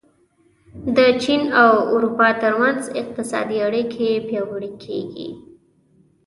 د چین او اروپا ترمنځ اقتصادي اړیکې پیاوړې کېږي.